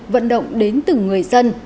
vận động đến từ người dân